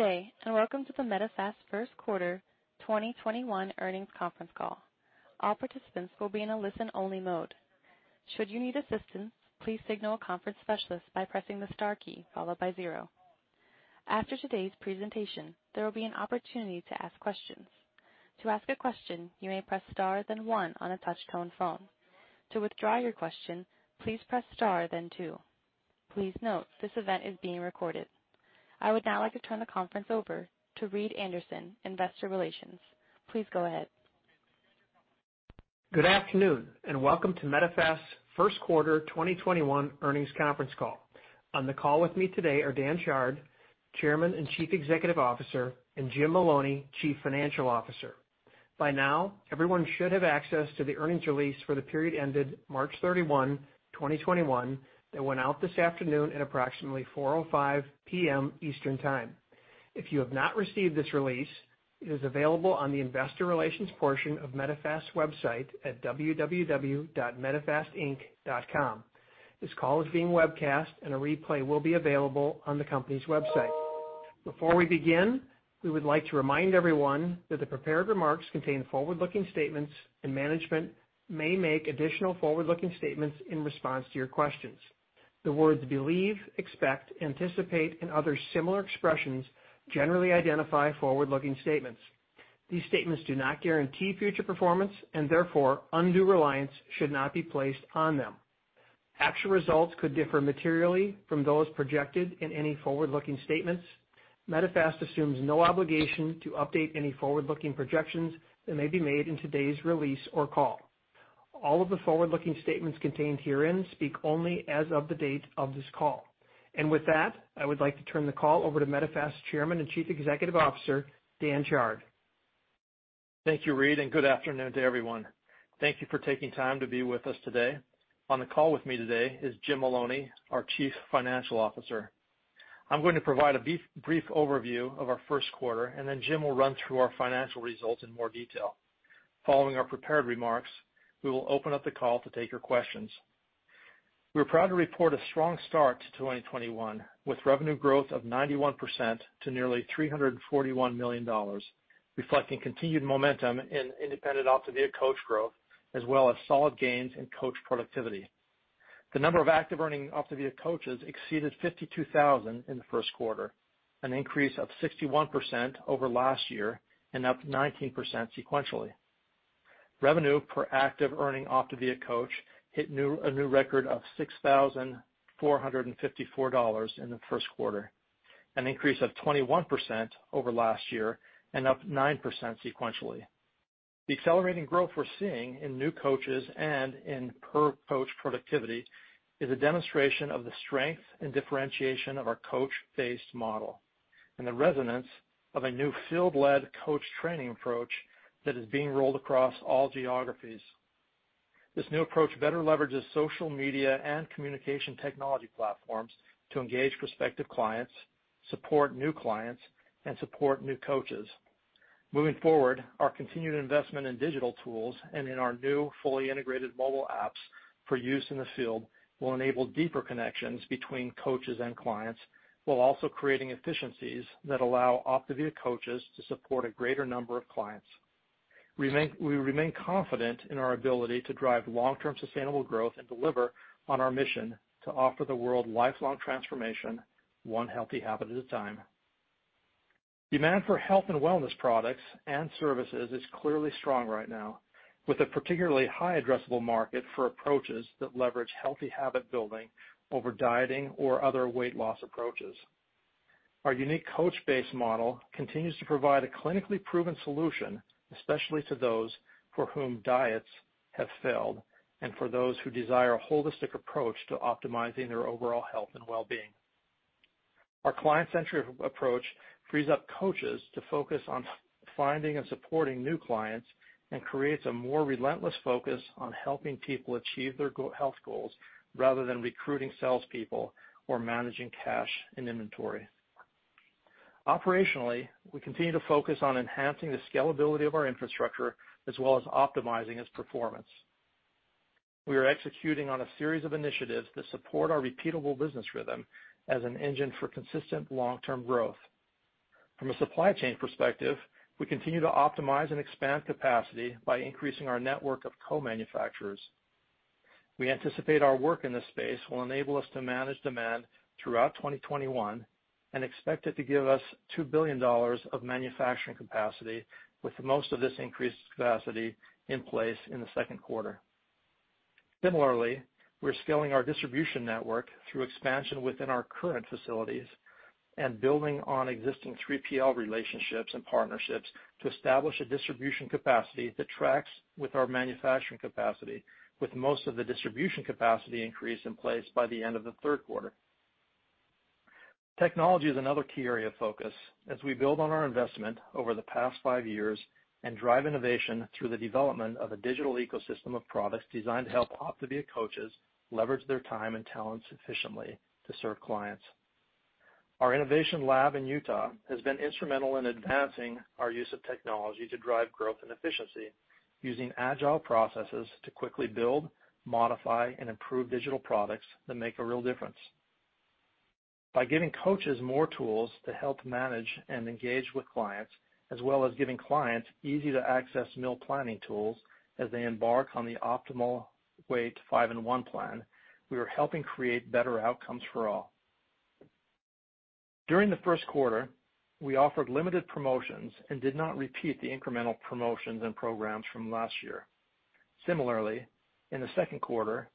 Good day, and welcome to the Medifast First Quarter 2021 Earnings Conference Call. All participants will be in a listen-only mode. Should you need assistance, please signal a conference specialist by pressing the star key followed by zero. After today's presentation, there will be an opportunity to ask questions. To ask a question, you may press star then One on a touch-tone phone. To withdraw your question, please press star then Two. Please note this event is being recorded. I would now like to turn the conference over to Reed Anderson, Investor Relations. Please go ahead. Good afternoon and welcome to Medifast's First Quarter 2021 Earnings Conference Call. On the call with me today are Dan Chard, Chairman and Chief Executive Officer, and Jim Maloney, Chief Financial Officer. By now, everyone should have access to the earnings release for the period ended March 31st, 2021, that went out this afternoon at approximately 4:05 P.M. Eastern Time. If you have not received this release, it is available on the investor relations portion of Medifast's website at www.medifastinc.com. This call is being webcast and a replay will be available on the company's website. Before we begin, we would like to remind everyone that the prepared remarks contain forward-looking statements and management may make additional forward-looking statements in response to your questions. The words believe, expect, anticipate, and other similar expressions generally identify forward-looking statements. These statements do not guarantee future performance and therefore undue reliance should not be placed on them. Actual results could differ materially from those projected in any forward-looking statements. Medifast assumes no obligation to update any forward-looking projections that may be made in today's release or call. All of the forward-looking statements contained herein speak only as of the date of this call. With that, I would like to turn the call over to Medifast's Chairman and Chief Executive Officer, Dan Chard. Thank you, Reed, and good afternoon to everyone. Thank you for taking time to be with us today. On the call with me today is Jim Maloney, our Chief Financial Officer. I'm going to provide a brief overview of our first quarter, and then Jim will run through our financial results in more detail. Following our prepared remarks, we will open up the call to take your questions. We're proud to report a strong start to 2021, with revenue growth of 91% to nearly $341 million, reflecting continued momentum in independent OPTAVIA Coach growth as well as solid gains in Coach productivity. The number of active earning OPTAVIA Coaches exceeded 52,000 in the first quarter, an increase of 61% over last year and up 19% sequentially. Revenue per active earning OPTAVIA Coach hit a new record of $6,454 in the first quarter, an increase of 21% over last year and up 9% sequentially. The accelerating growth we're seeing in new coaches and in per-coach productivity is a demonstration of the strength and differentiation of our coach-based model and the resonance of a new field-led coach training approach that is being rolled across all geographies. This new approach better leverages social media and communication technology platforms to engage prospective clients, support new clients, and support new coaches. Moving forward, our continued investment in digital tools and in our new fully integrated mobile apps for use in the field will enable deeper connections between coaches and clients, while also creating efficiencies that allow OPTAVIA Coaches to support a greater number of clients. We remain confident in our ability to drive long-term sustainable growth and deliver on our mission to offer the world lifelong transformation, one healthy habit at a time. Demand for health and wellness products and services is clearly strong right now, with a particularly high addressable market for approaches that leverage healthy habit building over dieting or other weight loss approaches. Our unique coach-based model continues to provide a clinically proven solution, especially to those for whom diets have failed and for those who desire a holistic approach to optimizing their overall health and wellbeing. Our client-centric approach frees up coaches to focus on finding and supporting new clients and creates a more relentless focus on helping people achieve their health goals rather than recruiting salespeople or managing cash and inventory. Operationally, we continue to focus on enhancing the scalability of our infrastructure as well as optimizing its performance. We are executing on a series of initiatives that support our repeatable business rhythm as an engine for consistent long-term growth. From a supply chain perspective, we continue to optimize and expand capacity by increasing our network of co-manufacturers. We anticipate our work in this space will enable us to manage demand throughout 2021 and expect it to give us $2 billion of manufacturing capacity, with most of this increased capacity in place in the second quarter. Similarly, we're scaling our distribution network through expansion within our current facilities and building on existing 3PL relationships and partnerships to establish a distribution capacity that tracks with our manufacturing capacity, with most of the distribution capacity increase in place by the end of the third quarter. Technology is another key area of focus as we build on our investment over the past five years and drive innovation through the development of a digital ecosystem of products designed to help OPTAVIA Coaches leverage their time and talent sufficiently to serve clients. Our innovation lab in Utah has been instrumental in advancing our use of technology to drive growth and efficiency, using agile processes to quickly build, modify, and improve digital products that make a real difference. By giving coaches more tools to help manage and engage with clients, as well as giving clients easy-to-access meal planning tools as they embark on the Optimal Weight 5 & 1 Plan, we are helping create better outcomes for all. During the first quarter, we offered limited promotions and did not repeat the incremental promotions and programs from last year. Similarly, in the second quarter,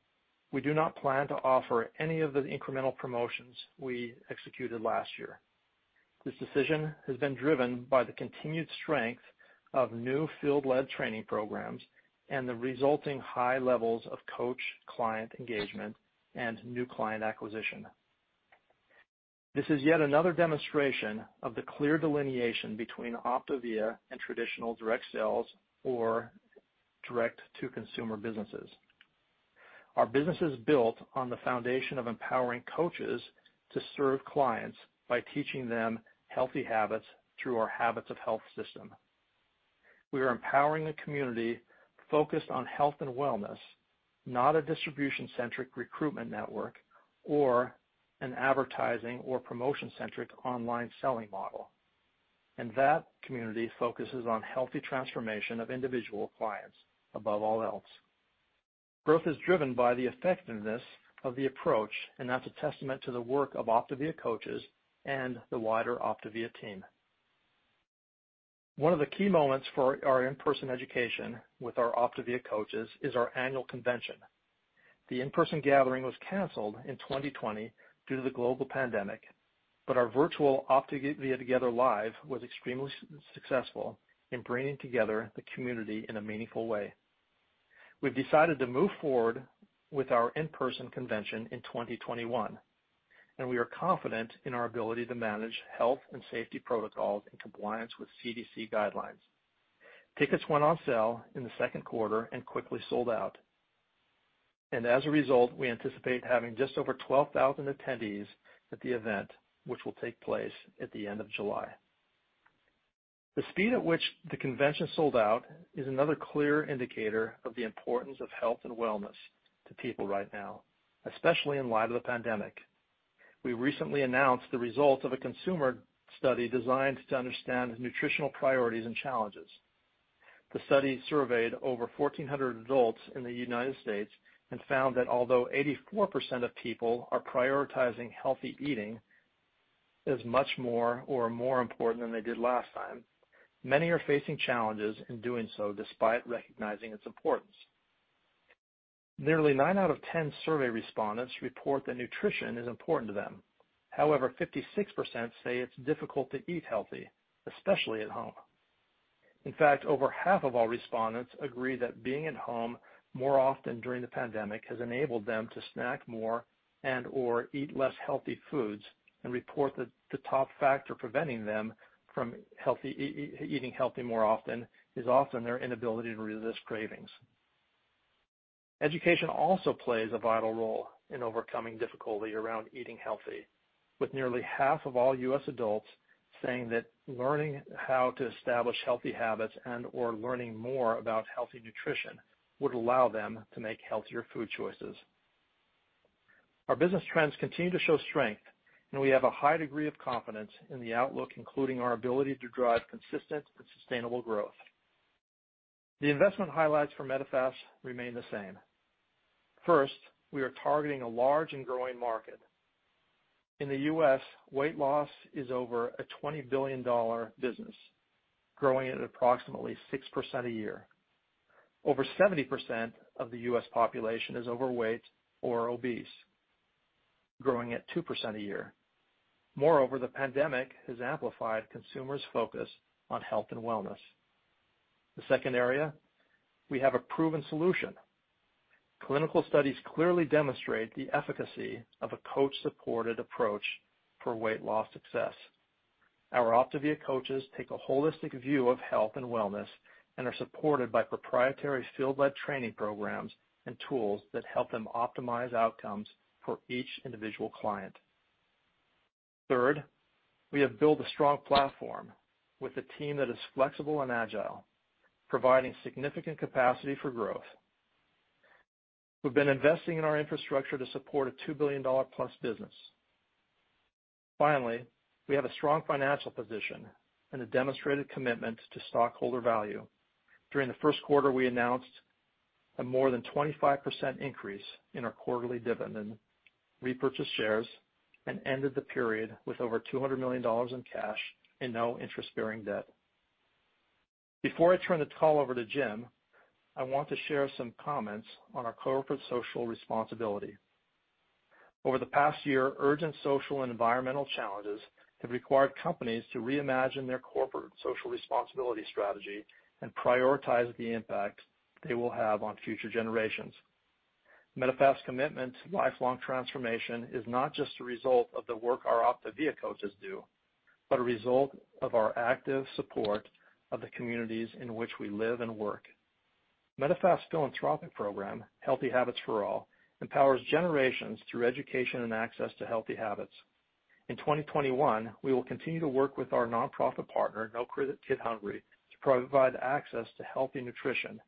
we do not plan to offer any of the incremental promotions we executed last year. This decision has been driven by the continued strength of new field-led training programs and the resulting high levels of coach-client engagement and new client acquisition. This is yet another demonstration of the clear delineation between OPTAVIA and traditional direct sales or direct-to-consumer businesses. Our business is built on the foundation of empowering coaches to serve clients by teaching them healthy habits through our Habits of Health System. We are empowering a community focused on health and wellness, not a distribution-centric recruitment network or an advertising or promotion-centric online selling model. That community focuses on healthy transformation of individual clients above all else. Growth is driven by the effectiveness of the approach, and that's a testament to the work of OPTAVIA coaches and the wider OPTAVIA team. One of the key moments for our in-person education with our OPTAVIA coaches is our annual convention. The in-person gathering was canceled in 2020 due to the global pandemic. Our virtual OPTAVIA Together Live was extremely successful in bringing together the community in a meaningful way. We've decided to move forward with our in-person convention in 2021. We are confident in our ability to manage health and safety protocols in compliance with CDC guidelines. Tickets went on sale in the second quarter and quickly sold out. As a result, we anticipate having just over 12,000 attendees at the event, which will take place at the end of July. The speed at which the convention sold out is another clear indicator of the importance of health and wellness to people right now, especially in light of the pandemic. We recently announced the result of a consumer study designed to understand nutritional priorities and challenges. The study surveyed over 1,400 adults in the United States and found that although 84% of people are prioritizing healthy eating as much more or more important than they did last time, many are facing challenges in doing so despite recognizing its importance. Nearly nine out of 10 survey respondents report that nutrition is important to them. However, 56% say it's difficult to eat healthy, especially at home. In fact, over half of all respondents agree that being at home more often during the pandemic has enabled them to snack more and/or eat less healthy foods, and report that the top factor preventing them from eating healthy more often is often their inability to resist cravings. Education also plays a vital role in overcoming difficulty around eating healthy, with nearly half of all U.S. adults saying that learning how to establish healthy habits and/or learning more about healthy nutrition would allow them to make healthier food choices. Our business trends continue to show strength, and we have a high degree of confidence in the outlook, including our ability to drive consistent and sustainable growth. The investment highlights for Medifast remain the same. First, we are targeting a large and growing market. In the U.S., weight loss is over a $20 billion business, growing at approximately 6% a year. Over 70% of the U.S. population is overweight or obese, growing at 2% a year. Moreover, the pandemic has amplified consumers' focus on health and wellness. The second area, we have a proven solution. Clinical studies clearly demonstrate the efficacy of a coach-supported approach for weight loss success. Our OPTAVIA coaches take a holistic view of health and wellness and are supported by proprietary field-led training programs and tools that help them optimize outcomes for each individual client. Third, we have built a strong platform with a team that is flexible and agile, providing significant capacity for growth. We've been investing in our infrastructure to support a $2 billion+ business. Finally, we have a strong financial position and a demonstrated commitment to stockholder value. During the first quarter, we announced a more than 25% increase in our quarterly dividend, repurchased shares, and ended the period with over $200 million in cash and no interest-bearing debt. Before I turn the call over to Jim, I want to share some comments on our corporate social responsibility. Over the past year, urgent social and environmental challenges have required companies to reimagine their corporate social responsibility strategy and prioritize the impact they will have on future generations. Medifast's commitment to lifelong transformation is not just a result of the work our OPTAVIA coaches do, but a result of our active support of the communities in which we live and work. Medifast's philanthropic program, Healthy Habits For All, empowers generations through education and access to healthy habits. In 2021, we will continue to work with our nonprofit partner, No Kid Hungry, to provide access to healthy nutrition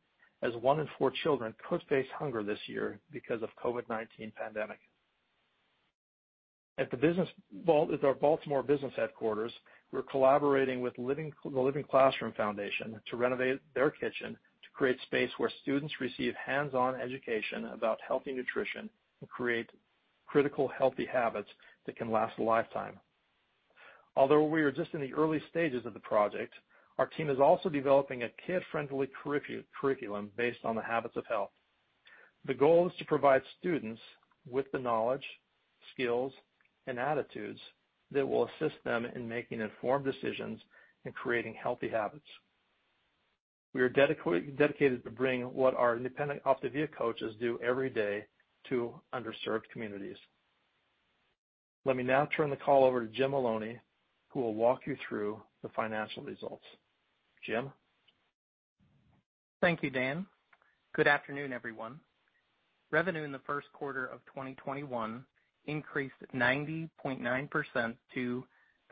as one in four children could face hunger this year because of COVID-19 pandemic. At our Baltimore business headquarters, we're collaborating with the Living Classrooms Foundation to renovate their kitchen to create space where students receive hands-on education about healthy nutrition and create critical healthy habits that can last a lifetime. Although we are just in the early stages of the project, our team is also developing a kid-friendly curriculum based on the Habits of Health. The goal is to provide students with the knowledge, skills, and attitudes that will assist them in making informed decisions and creating healthy habits. We are dedicated to bring what our independent OPTAVIA Coaches do every day to underserved communities. Let me now turn the call over to Jim Maloney, who will walk you through the financial results. Jim? Thank you, Dan. Good afternoon, everyone. Revenue in the first quarter of 2021 increased 90.9% to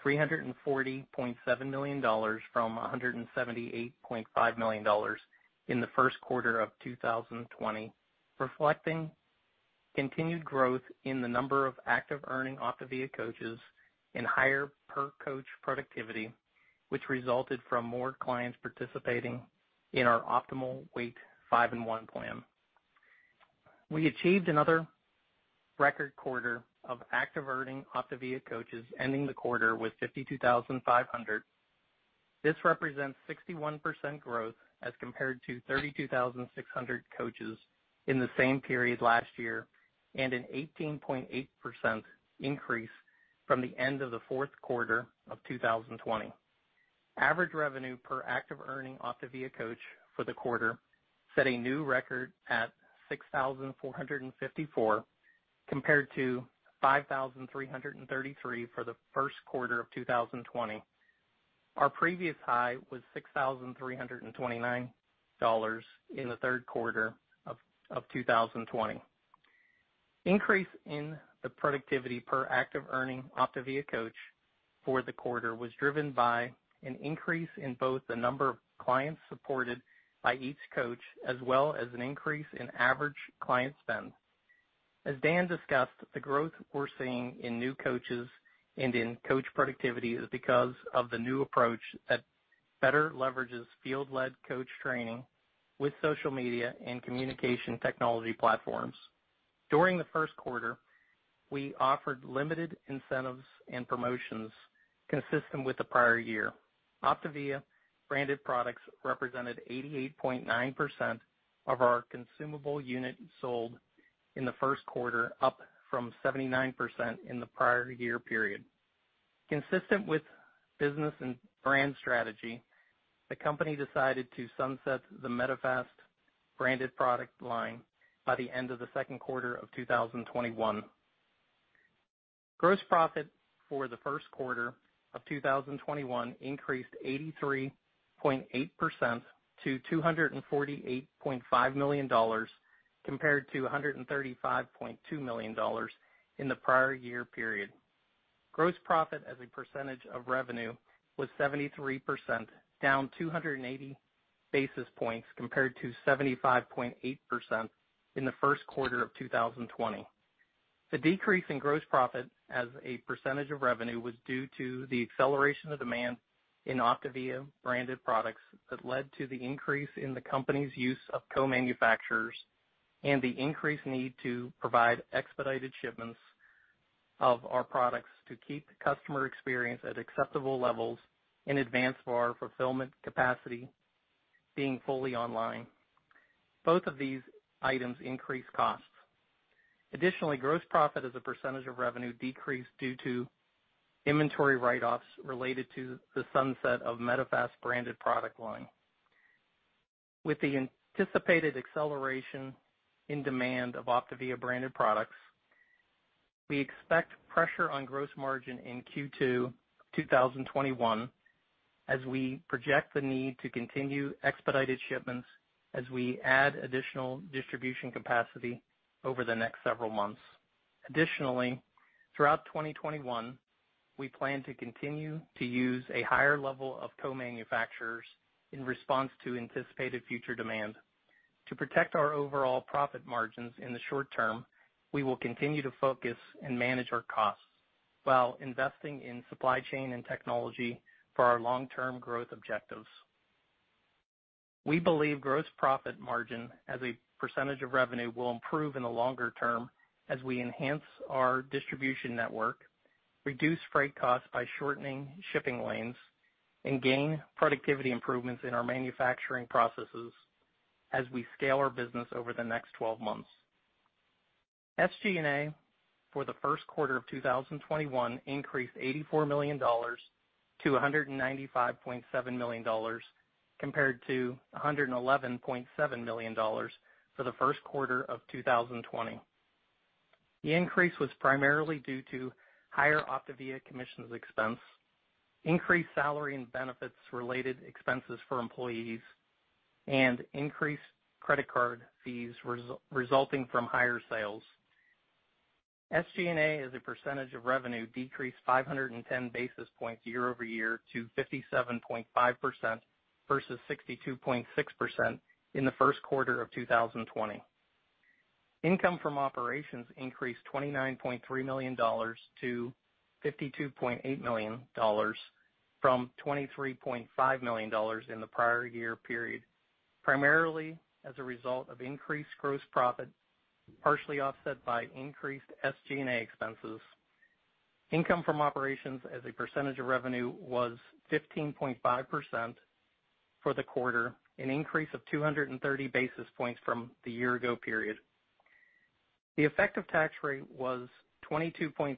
$340.7 million from $178.5 million in the first quarter of 2020, reflecting continued growth in the number of active earning OPTAVIA Coaches and higher per-coach productivity, which resulted from more clients participating in our Optimal Weight 5 & 1 Plan. We achieved another record quarter of active earning OPTAVIA Coaches, ending the quarter with 52,500. This represents 61% growth as compared to 32,600 coaches in the same period last year, and an 18.8% increase from the end of the fourth quarter of 2020. Average revenue per active earning OPTAVIA Coach for the quarter set a new record at $6,454, compared to $5,333 for the first quarter of 2020. Our previous high was $6,329 in the third quarter of 2020. Increase in the productivity per active earning OPTAVIA Coach for the quarter was driven by an increase in both the number of clients supported by each coach, as well as an increase in average client spend. As Dan discussed, the growth we're seeing in new coaches and in coach productivity is because of the new approach that better leverages field-led coach training with social media and communication technology platforms. During the first quarter, we offered limited incentives and promotions consistent with the prior year. OPTAVIA branded products represented 88.9% of our consumable units sold in the first quarter, up from 79% in the prior year period. Consistent with business and brand strategy, the company decided to sunset the Medifast branded product line by the end of the second quarter of 2021. Gross profit for the first quarter of 2021 increased 83.8% to $248.5 million, compared to $135.2 million in the prior year period. Gross profit as a percentage of revenue was 73%, down 280 basis points compared to 75.8% in the first quarter of 2020. The decrease in gross profit as a percentage of revenue was due to the acceleration of demand in OPTAVIA branded products that led to the increase in the company's use of co-manufacturers, and the increased need to provide expedited shipments of our products to keep the customer experience at acceptable levels in advance for our fulfillment capacity being fully online. Both of these items increase costs. Additionally, gross profit as a percentage of revenue decreased due to inventory write-offs related to the sunset of Medifast branded product line. With the anticipated acceleration in demand of OPTAVIA branded products, we expect pressure on gross margin in Q2 2021, as we project the need to continue expedited shipments as we add additional distribution capacity over the next several months. Additionally, throughout 2021, we plan to continue to use a higher level of co-manufacturers in response to anticipated future demand. To protect our overall profit margins in the short term, we will continue to focus and manage our costs while investing in supply chain and technology for our long-term growth objectives. We believe gross profit margin as a percentage of revenue will improve in the longer term as we enhance our distribution network, reduce freight costs by shortening shipping lanes, and gain productivity improvements in our manufacturing processes as we scale our business over the next 12 months. SG&A for the first quarter of 2021 increased $84 million-$195.7 million compared to $111.7 million for the first quarter of 2020. The increase was primarily due to higher OPTAVIA commissions expense, increased salary and benefits related expenses for employees and increased credit card fees resulting from higher sales. SG&A as a percentage of revenue decreased 510 basis points year-over-year to 57.5% versus 62.6% in the first quarter of 2020. Income from operations increased $29.3 million-$52.8 million from $23.5 million in the prior year period, primarily as a result of increased gross profit, partially offset by increased SG&A expenses. Income from operations as a percentage of revenue was 15.5% for the quarter, an increase of 230 basis points from the year-ago period. The effective tax rate was 22.3%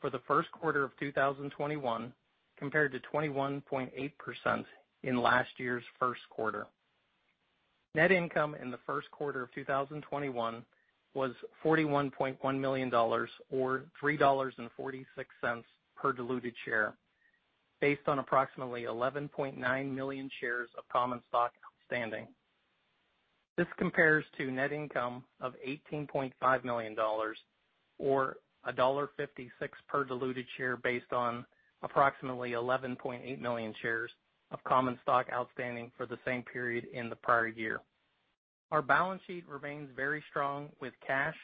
for the first quarter of 2021, compared to 21.8% in last year's first quarter. Net income in the first quarter of 2021 was $41.1 million, or $3.46 per diluted share, based on approximately 11.9 million shares of common stock outstanding. This compares to net income of $18.5 million, or $1.56 per diluted share, based on approximately 11.8 million shares of common stock outstanding for the same period in the prior year. Our balance sheet remains very strong, with cash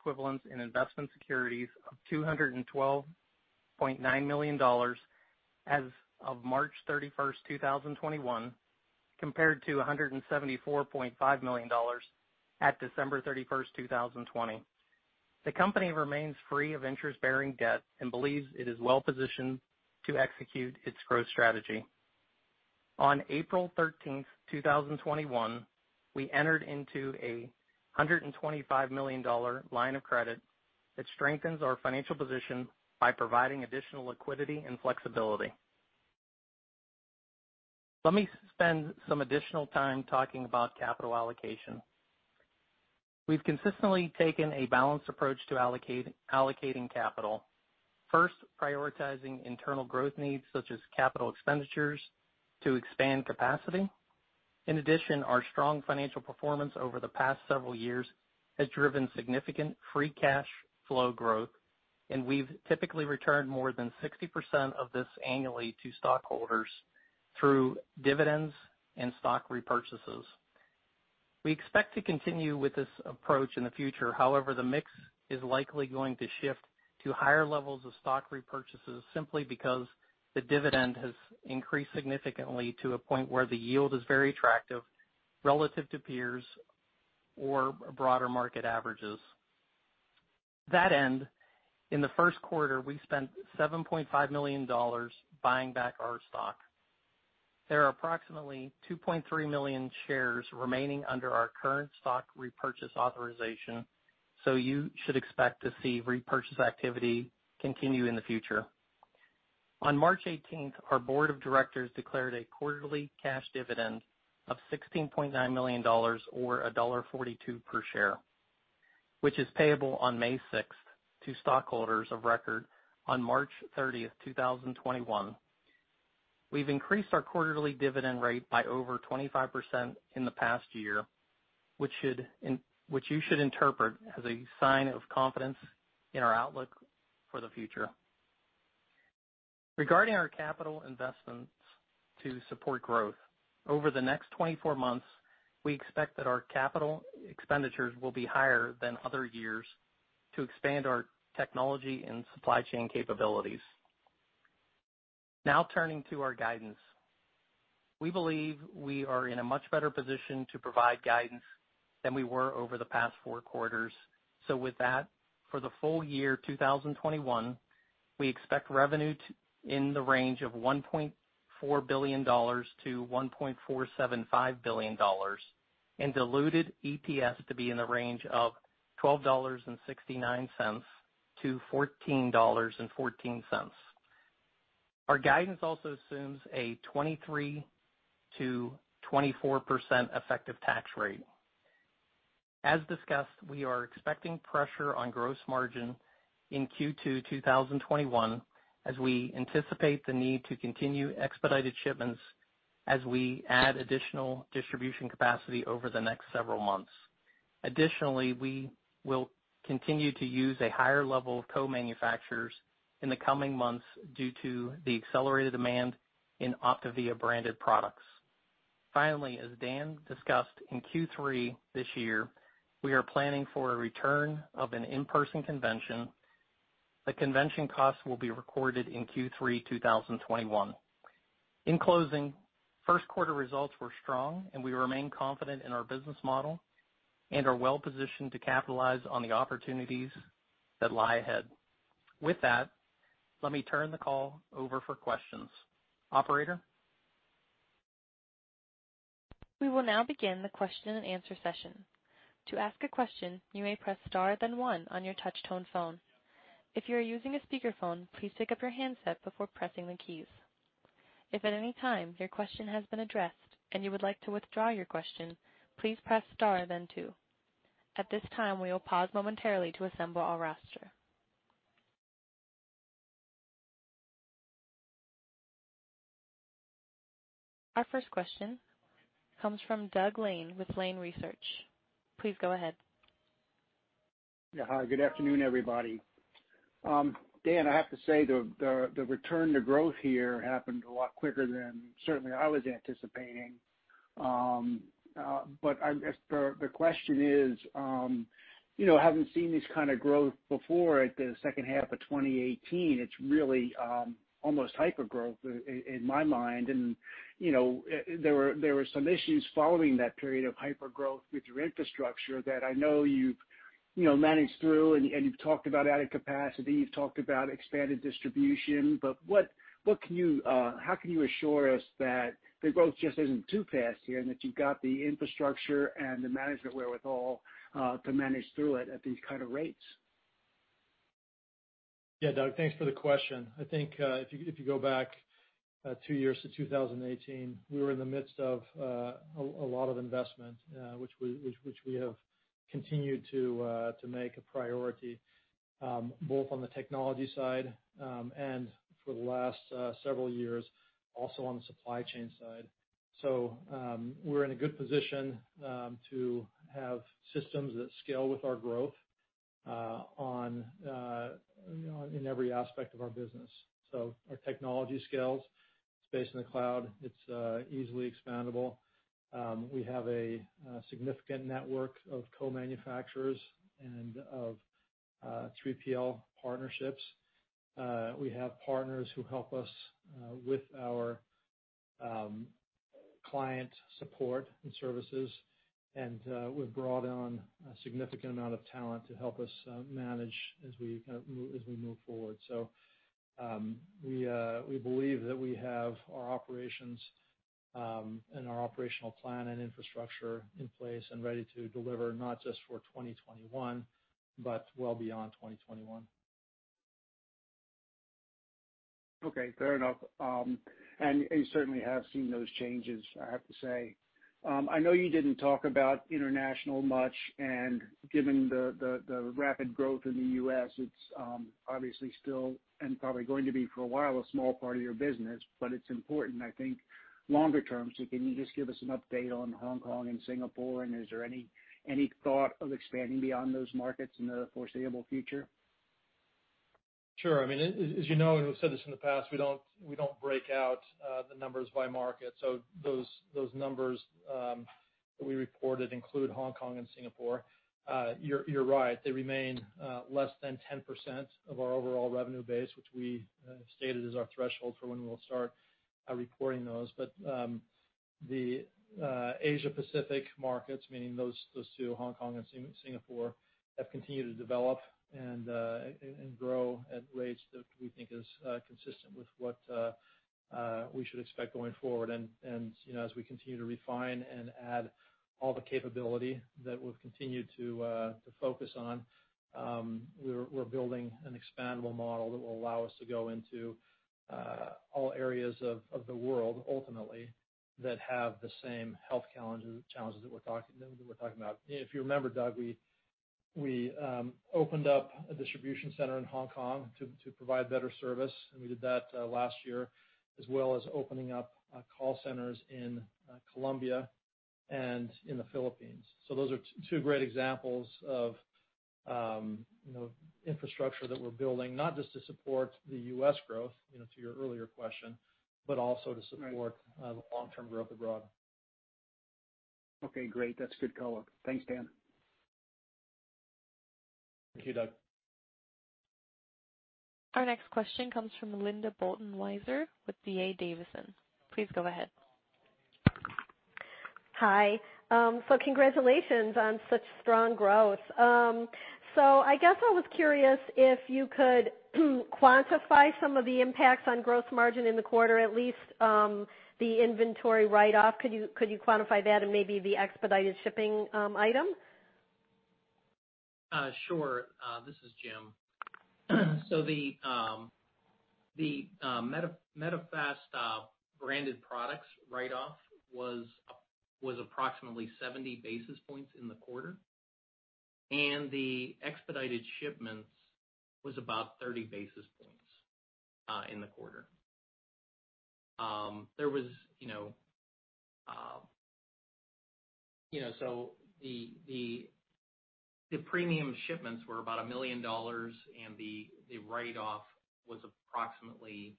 equivalents, and investment securities of $212.9 million as of March 31st, 2021, compared to $174.5 million at December 31st, 2020. The company remains free of interest-bearing debt and believes it is well-positioned to execute its growth strategy. On April 13th, 2021, we entered into a $125 million line of credit that strengthens our financial position by providing additional liquidity and flexibility. Let me spend some additional time talking about capital allocation. We've consistently taken a balanced approach to allocating capital, first prioritizing internal growth needs such as capital expenditures to expand capacity. In addition, our strong financial performance over the past several years has driven significant free cash flow growth, and we've typically returned more than 60% of this annually to stockholders through dividends and stock repurchases. We expect to continue with this approach in the future. However, the mix is likely going to shift to higher levels of stock repurchases simply because the dividend has increased significantly to a point where the yield is very attractive relative to peers or broader market averages. To that end, in the first quarter, we spent $7.5 million buying back our stock. There are approximately 2.3 million shares remaining under our current stock repurchase authorization, so you should expect to see repurchase activity continue in the future. On March 18th, our board of directors declared a quarterly cash dividend of $16.9 million, or $1.42 per share, which is payable on May 6th to stockholders of record on March 30th, 2021. We've increased our quarterly dividend rate by over 25% in the past year, which you should interpret as a sign of confidence in our outlook for the future. Regarding our capital investments to support growth, over the next 24 months, we expect that our capital expenditures will be higher than other years to expand our technology and supply chain capabilities. Now, turning to our guidance. We believe we are in a much better position to provide guidance than we were over the past four quarters. With that, for the full year 2021, we expect revenue in the range of $1.4 billion-$1.475 billion, and diluted EPS to be in the range of $12.69-$14.14. Our guidance also assumes a 23%-24% effective tax rate. As discussed, we are expecting pressure on gross margin in Q2 2021, as we anticipate the need to continue expedited shipments as we add additional distribution capacity over the next several months. Additionally, we will continue to use a higher level of co-manufacturers in the coming months due to the accelerated demand in OPTAVIA branded products. Finally, as Dan discussed, in Q3 this year, we are planning for a return of an in-person convention. The convention cost will be recorded in Q3 2021. In closing, first quarter results were strong, and we remain confident in our business model and are well-positioned to capitalize on the opportunities that lie ahead. With that, let me turn the call over for questions. Operator? We will now begin the question and answer session. To ask a question, you may press star then one on your touchtone phone. If your using a speaker phone, please pick up your handset before pressing the keys. If at any time and your question has been addressed, and you would like to withdraw your question, please press star then two. At this time, we will pause momentarily to assemble our roster. Our first question comes from Doug Lane with Lane Research. Please go ahead. Yeah. Hi, good afternoon, everybody. Dan, I have to say, the return to growth here happened a lot quicker than certainly I was anticipating. I guess the question is, having seen this kind of growth before at the second half of 2018, it's really almost hyper-growth in my mind. There were some issues following that period of hyper-growth with your infrastructure that I know you've managed through and you've talked about added capacity, you've talked about expanded distribution, but how can you assure us that the growth just isn't too fast here and that you've got the infrastructure and the management wherewithal to manage through it at these kind of rates? Yeah, Doug, thanks for the question. I think if you go back two years to 2018, we were in the midst of a lot of investment which we have continued to make a priority, both on the technology side and for the last several years, also on the supply chain side. We're in a good position to have systems that scale with our growth in every aspect of our business. Our technology scales. It's based in the cloud. It's easily expandable. We have a significant network of co-manufacturers and of 3PL partnerships. We have partners who help us with our client support and services, and we've brought on a significant amount of talent to help us manage as we move forward. We believe that we have our operations and our operational plan and infrastructure in place and ready to deliver not just for 2021, but well beyond 2021. Okay, fair enough. You certainly have seen those changes, I have to say. I know you didn't talk about international much, and given the rapid growth in the U.S., it's obviously still, and probably going to be for a while, a small part of your business, but it's important, I think, longer term. Can you just give us an update on Hong Kong and Singapore and is there any thought of expanding beyond those markets in the foreseeable future? Sure. As you know, we've said this in the past, we don't break out the numbers by market. Those numbers that we reported include Hong Kong and Singapore. You're right. They remain less than 10% of our overall revenue base, which we have stated is our threshold for when we'll start reporting those. The Asia-Pacific markets, meaning those two, Hong Kong and Singapore, have continued to develop and grow at rates that we think is consistent with what we should expect going forward. As we continue to refine and add all the capability that we've continued to focus on, we're building an expandable model that will allow us to go into all areas of the world, ultimately, that have the same health challenges that we're talking about. If you remember, Doug, we opened up a distribution center in Hong Kong to provide better service, and we did that last year, as well as opening up call centers in Colombia and in the Philippines. Those are two great examples of infrastructure that we're building, not just to support the U.S. growth, to your earlier question - Right. - the long-term growth abroad. Okay, great. That's good color. Thanks, Dan. Thank you, Doug. Our next question comes from Linda Bolton Weiser with D.A. Davidson. Please go ahead. Hi. Congratulations on such strong growth. I guess I was curious if you could quantify some of the impacts on gross margin in the quarter, at least the inventory write-off. Could you quantify that and maybe the expedited shipping item? Sure. This is Jim. The Medifast-branded products write-off was approximately 70 basis points in the quarter, and the expedited shipments was about 30 basis points in the quarter. The premium shipments were about $1 million, and the write-off was approximately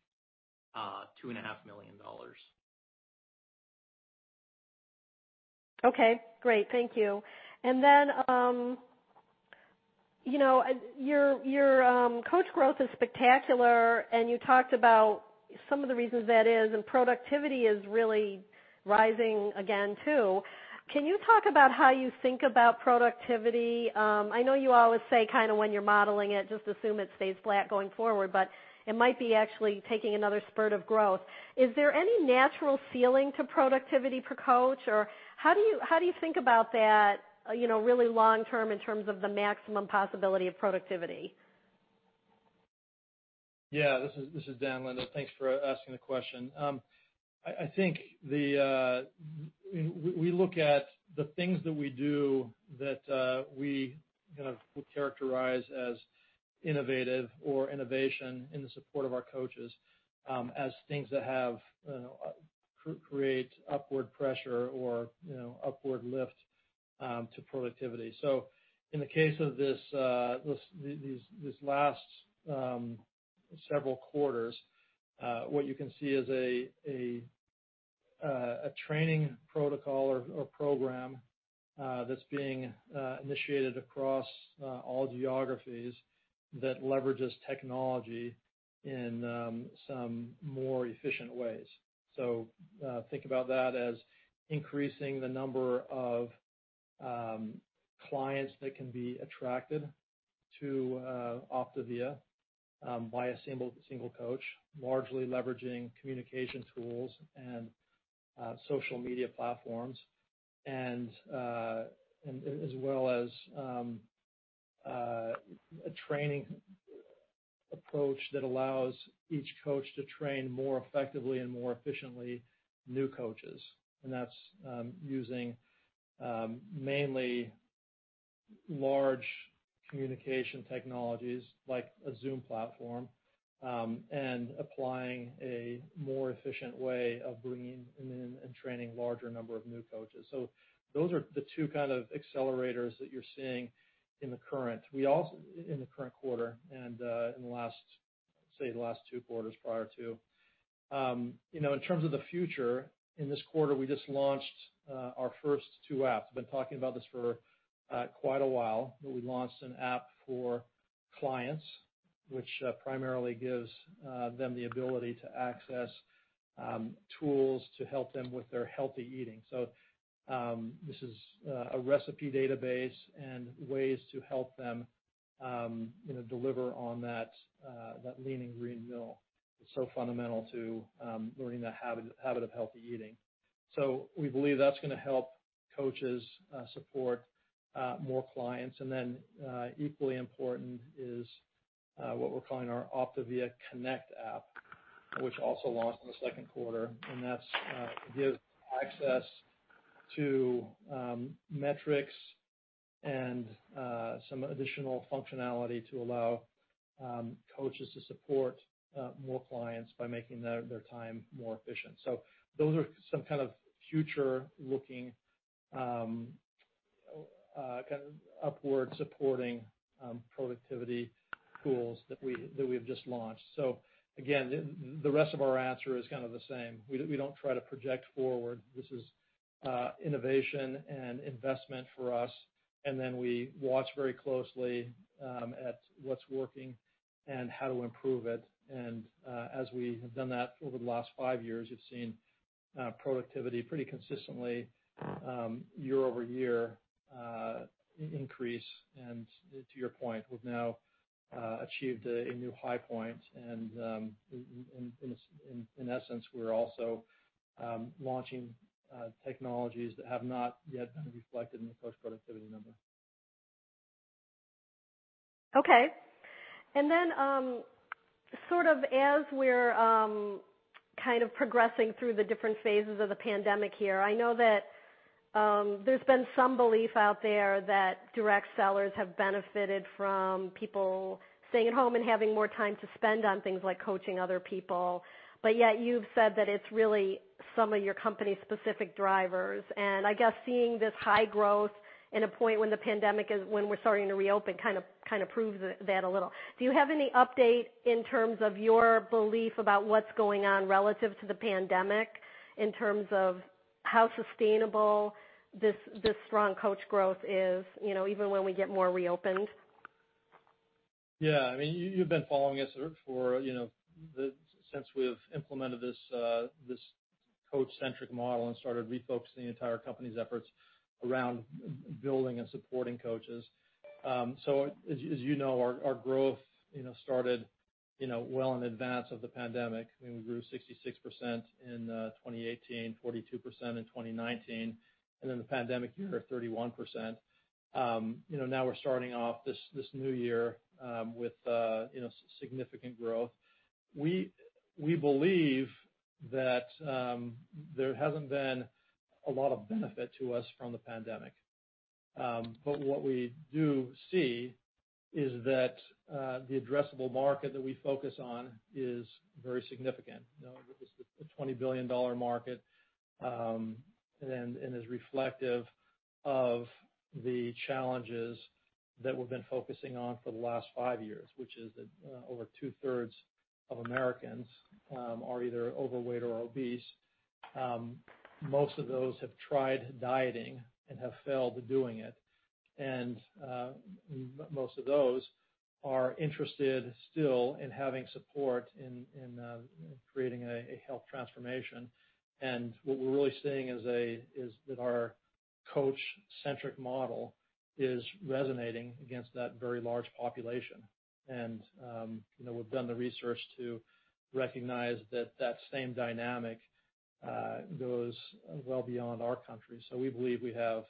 $2.5 million. Okay, great. Thank you. Your coach growth is spectacular, and you talked about some of the reasons that is, and productivity is really rising again, too. Can you talk about how you think about productivity? I know you always say kind of when you're modeling it, just assume it stays flat going forward, but it might be actually taking another spurt of growth. Is there any natural ceiling to productivity per coach? How do you think about that really long term in terms of the maximum possibility of productivity? Yeah, this is Dan, Linda. Thanks for asking the question. We look at the things that we do that we kind of would characterize as innovative or innovation in the support of our coaches as things that create upward pressure or upward lift to productivity. In the case of these last several quarters, what you can see is a training protocol or program that's being initiated across all geographies that leverages technology in some more efficient ways. Think about that as increasing the number of clients that can be attracted to OPTAVIA by a single coach, largely leveraging communication tools and social media platforms, as well as a training approach that allows each coach to train more effectively and more efficiently new coaches. That's using mainly large communication technologies like a Zoom platform, and applying a more efficient way of bringing them in and training larger number of new coaches. Those are the two kind of accelerators that you're seeing in the current quarter, and in, say, the last two quarters prior too. In terms of the future, in this quarter, we just launched our first two apps. We've been talking about this for quite a while, but we launched an app for clients, which primarily gives them the ability to access tools to help them with their healthy eating. This is a recipe database and ways to help them deliver on that Lean & Green meal that's so fundamental to learning the habit of healthy eating. We believe that's going to help coaches support more clients. Then, equally important is what we're calling our OPTAVIA Connect app, which also launched in the second quarter. That gives access to metrics and some additional functionality to allow coaches to support more clients by making their time more efficient. Those are some kind of future-looking, upward supporting productivity tools that we've just launched. Again, the rest of our answer is kind of the same. We don't try to project forward. This is innovation and investment for us, then we watch very closely at what's working and how to improve it. As we have done that over the last five years, you've seen productivity pretty consistently year over year increase. To your point, we've now achieved a new high point. In essence, we're also launching technologies that have not yet been reflected in the coach productivity number. Okay. Sort of as we're kind of progressing through the different phases of the pandemic here, I know that there's been some belief out there that direct sellers have benefited from people staying at home and having more time to spend on things like coaching other people. Yet you've said that it's really some of your company's specific drivers. I guess seeing this high growth in a point when we're starting to reopen kind of proves that a little. Do you have any update in terms of your belief about what's going on relative to the pandemic in terms of how sustainable this strong coach growth is even when we get more reopened? Yeah, you've been following us since we've implemented this coach-centric model and started refocusing the entire company's efforts around building and supporting coaches. As you know, our growth started well in advance of the pandemic. We grew 66% in 2018, 42% in 2019, and then the pandemic year, 31%. Now we're starting off this new year with significant growth. We believe that there hasn't been a lot of benefit to us from the pandemic. What we do see is that the addressable market that we focus on is very significant. This is a $20 billion market, and is reflective of the challenges that we've been focusing on for the last five years, which is that over two-thirds of Americans are either overweight or obese. Most of those have tried dieting and have failed doing it. Most of those are interested still in having support in creating a health transformation. What we're really seeing is that our coach-centric model is resonating against that very large population. We've done the research to recognize that that same dynamic goes well beyond our country. We believe we have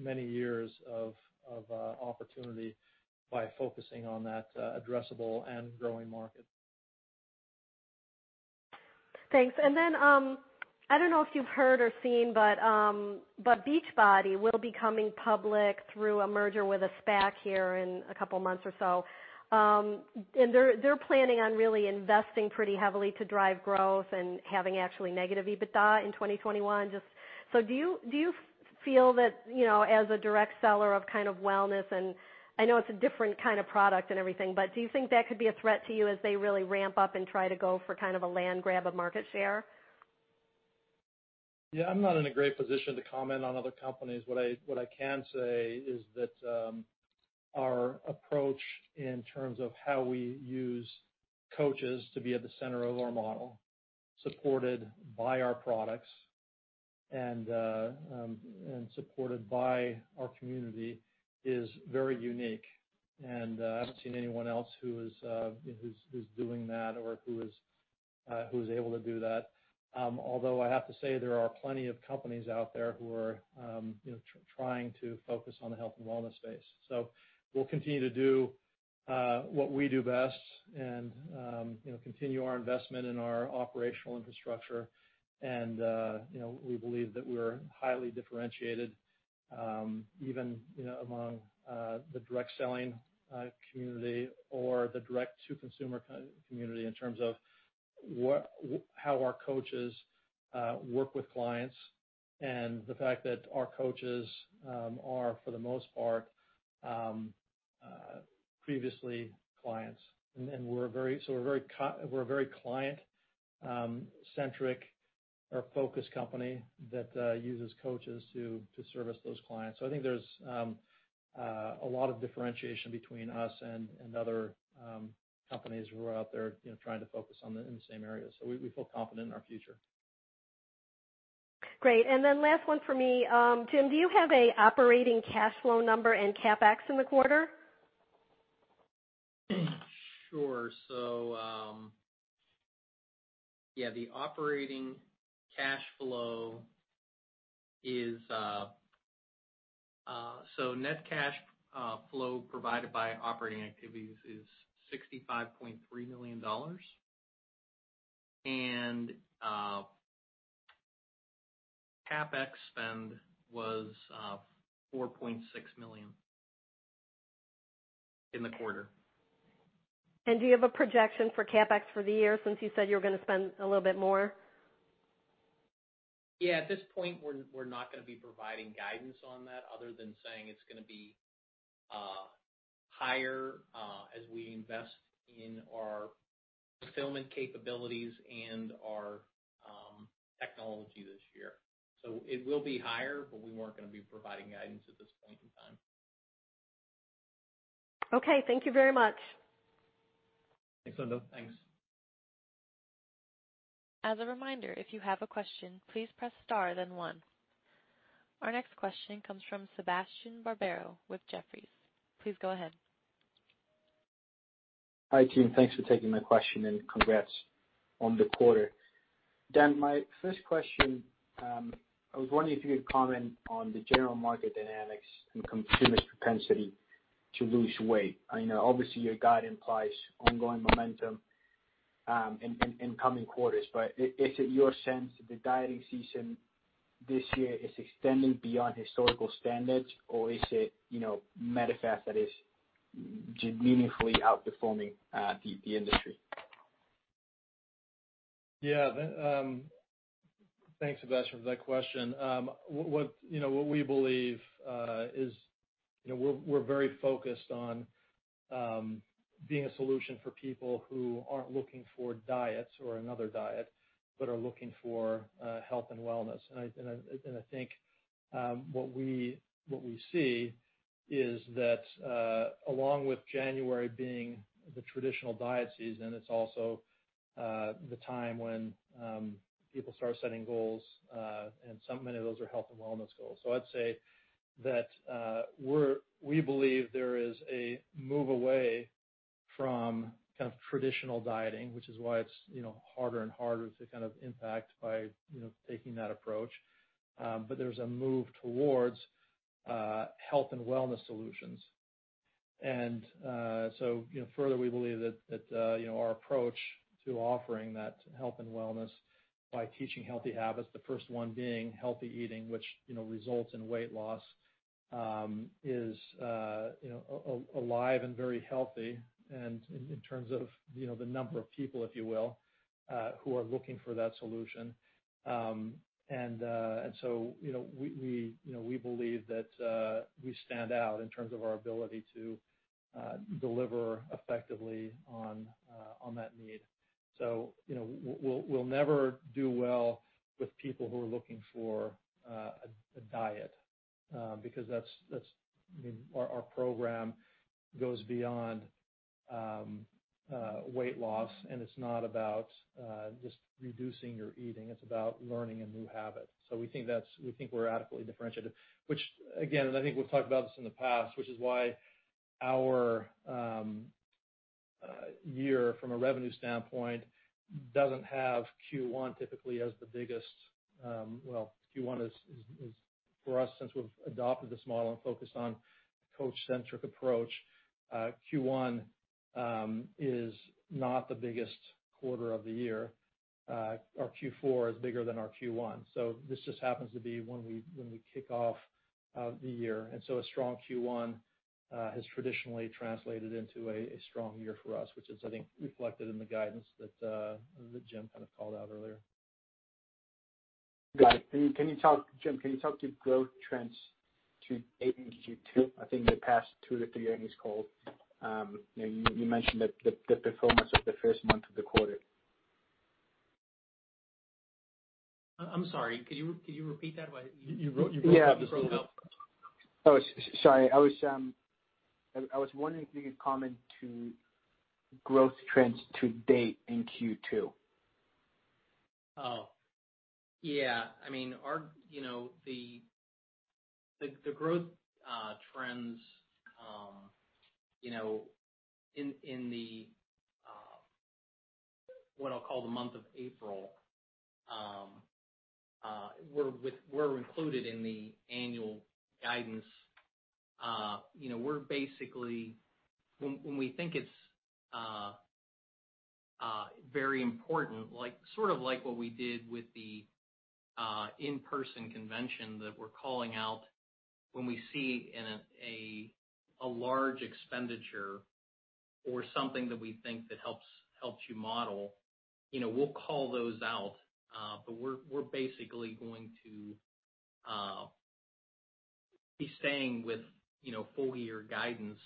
many years of opportunity by focusing on that addressable and growing market. Thanks. Then I don't know if you've heard or seen, but Beachbody will be coming public through a merger with a SPAC here in a couple of months or so. They're planning on really investing pretty heavily to drive growth and having actually negative EBITDA in 2021. Do you feel that, as a direct seller of wellness, and I know it's a different kind of product and everything, but do you think that could be a threat to you as they really ramp up and try to go for a land grab of market share? Yeah, I'm not in a great position to comment on other companies. What I can say is that our approach in terms of how we use coaches to be at the center of our model, supported by our products and supported by our community, is very unique, and I haven't seen anyone else who's doing that or who's able to do that. I have to say, there are plenty of companies out there who are trying to focus on the health and wellness space. We'll continue to do what we do best and continue our investment in our operational infrastructure. We believe that we're highly differentiated, even among the direct selling community or the direct-to-consumer community, in terms of how our coaches work with clients and the fact that our coaches are, for the most part, previously clients. We're a very client-centric or focused company that uses coaches to service those clients. I think there's a lot of differentiation between us and other companies who are out there trying to focus in the same area. We feel confident in our future. Great. Last one for me. Jim, do you have an operating cash flow number and CapEx in the quarter? Sure. Net cash flow provided by operating activities is $65.3 million, and CapEx spend was $4.6 million in the quarter. Do you have a projection for CapEx for the year since you said you were going to spend a little bit more? Yeah, at this point, we're not going to be providing guidance on that other than saying it's going to be higher as we invest in our fulfillment capabilities and our technology this year. It will be higher, but we weren't going to be providing guidance at this point in time. Okay. Thank you very much. Thanks, Linda. Thanks. As a reminder, if you have a question, please press star then one. Our next question comes from Sebastian Barbero with Jefferies. Please go ahead. Hi, team. Thanks for taking my question and congrats on the quarter. Dan, my first question, I was wondering if you could comment on the general market dynamics and consumers' propensity to lose weight. I know obviously your guide implies ongoing momentum in coming quarters, is it your sense that the dieting season this year is extending beyond historical standards, or is it Medifast that is meaningfully outperforming the industry? Yeah. Thanks, Sebastian, for that question. What we believe is we're very focused on being a solution for people who aren't looking for diets or another diet, but are looking for health and wellness. I think what we see is that along with January being the traditional diet season, it's also the time when people start setting goals, and so many of those are health and wellness goals. I'd say that we believe there is a move away from kind of traditional dieting, which is why it's harder and harder to kind of impact by taking that approach. There's a move towards health and wellness solutions. Further, we believe that our approach to offering that health and wellness by teaching healthy habits, the first one being healthy eating, which results in weight loss, is alive and very healthy, and in terms of the number of people, if you will, who are looking for that solution. We believe that we stand out in terms of our ability to deliver effectively on that need. We'll never do well with people who are looking for a diet, because our program goes beyond weight loss, and it's not about just reducing your eating, it's about learning a new habit. We think we're adequately differentiated, which again, and I think we've talked about this in the past, which is why our year from a revenue standpoint doesn't have Q1 typically as the biggest. Well, Q1 is for us, since we've adopted this model and focused on coach-centric approach. Q1 is not the biggest quarter of the year. Our Q4 is bigger than our Q1. This just happens to be when we kick off the year. A strong Q1 has traditionally translated into a strong year for us, which is, I think, reflected in the guidance that Jim kind of called out earlier. Got it. Jim, can you talk to growth trends to Q1 and Q2? I think the past two to three earnings call, you mentioned that the performance of the first month of the quarter. I'm sorry. Could you repeat that? You broke up just a little. Oh, sorry. I was wondering if you could comment to growth trends to date in Q2. Oh, yeah. The growth trends in what I'll call the month of April were included in the annual guidance. We think it's very important, sort of like what we did with the in-person convention that we're calling out when we see a large expenditure or something that we think that helps you model, we'll call those out. We're basically going to be staying with full-year guidance.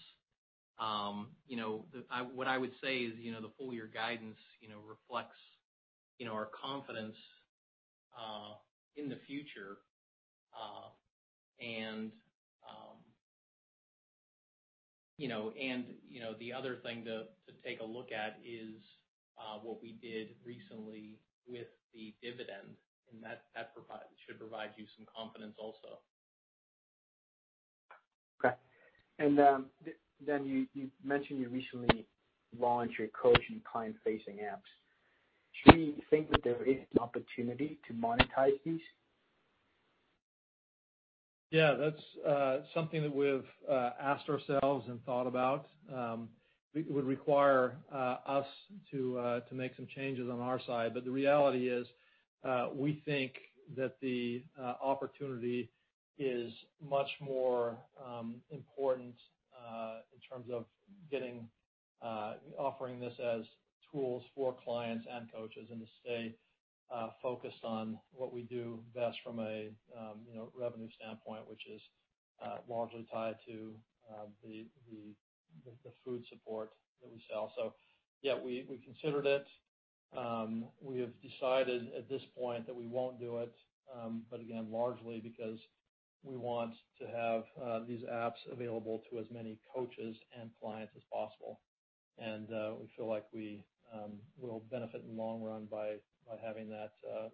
What I would say is, the full-year guidance reflects our confidence in the future. The other thing to take a look at is what we did recently with the dividend, and that should provide you some confidence also. Okay. Then you mentioned you recently launched your coach and client-facing apps. Do you think that there is an opportunity to monetize these? Yeah, that's something that we've asked ourselves and thought about. It would require us to make some changes on our side. The reality is, we think that the opportunity is much more important in terms of offering this as tools for clients and coaches and to stay focused on what we do best from a revenue standpoint, which is largely tied to the food support that we sell. Yeah, we considered it. We have decided at this point that we won't do it, but again, largely because we want to have these apps available to as many coaches and clients as possible. We feel like we will benefit in the long run by having that,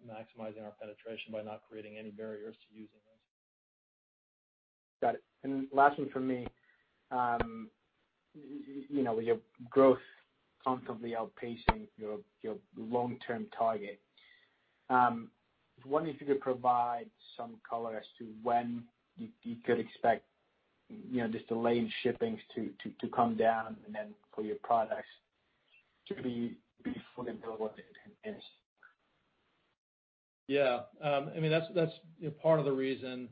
maximizing our penetration by not creating any barriers to using those. Got it. Last one from me. With your growth constantly outpacing your long-term target, just wondering if you could provide some color as to when you could expect just delayed shipments to come down and then for your products to be fully built in. Yeah. That's part of the reason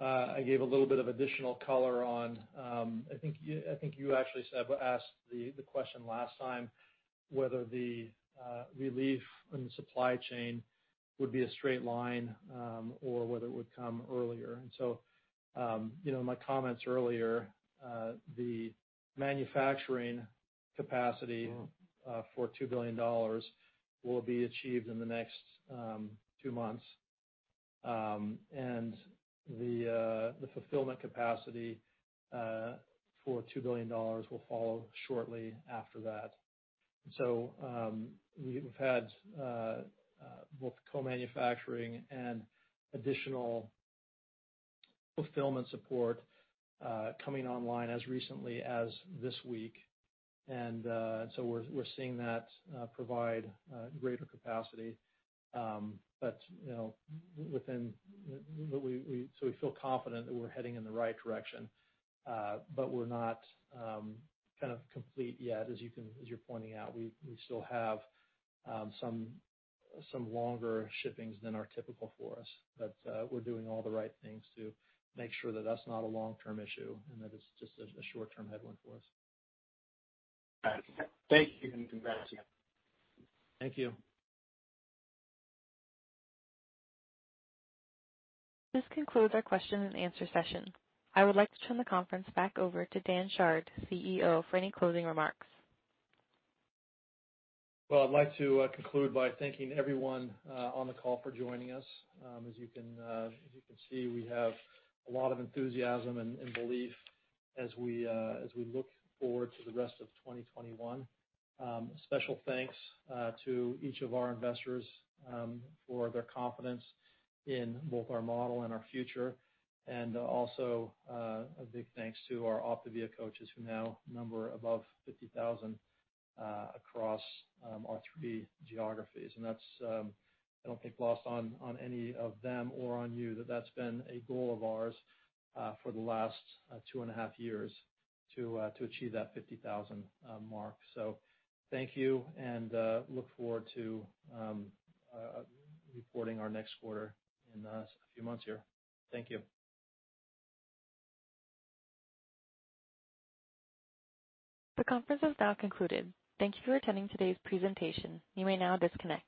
I gave a little bit of additional color on I think you actually asked the question last time, whether the relief in the supply chain would be a straight line or whether it would come earlier. My comments earlier the manufacturing capacity for $2 billion will be achieved in the next two months. The fulfillment capacity for $2 billion will follow shortly after that. We've had both co-manufacturing and additional fulfillment support coming online as recently as this week. We're seeing that provide greater capacity. We feel confident that we're heading in the right direction. We're not kind of complete yet, as you're pointing out. We still have some longer shipping's than are typical for us, but we're doing all the right things to make sure that that's not a long-term issue and that it's just a short-term headwind for us. Got it. Thank you and congrats again. Thank you. This concludes our question and answer session. I would like to turn the conference back over to Dan Chard, CEO, for any closing remarks. Well, I'd like to conclude by thanking everyone on the call for joining us. As you can see, we have a lot of enthusiasm and belief as we look forward to the rest of 2021. Special thanks to each of our investors for their confidence in both our model and our future. Also, a big thanks to our OPTAVIA coaches who now number above 50,000 across our three geographies. That's, I don't think lost on any of them or on you that's been a goal of ours for the last two and a half years to achieve that 50,000 mark. Thank you, and look forward to reporting our next quarter in a few months here. Thank you. The conference has now concluded. Thank you for attending today's presentation. You may now disconnect.